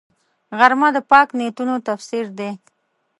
غرمه د پاک نیتونو تفسیر دی